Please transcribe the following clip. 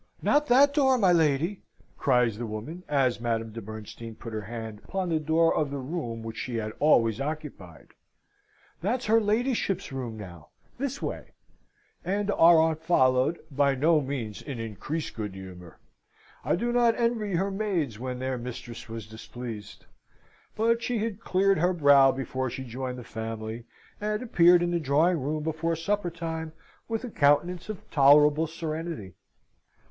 "Not that door, my lady!" cries the woman, as Madame de Bernstein put her hand upon the door of the room which she had always occupied. "That's her ladyship's room now. This way," and our aunt followed, by no means in increased good humour. I do not envy her maids when their mistress was displeased. But she had cleared her brow before she joined the family, and appeared in the drawing room before supper time with a countenance of tolerable serenity.